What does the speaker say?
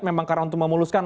memang karena untuk memuluskan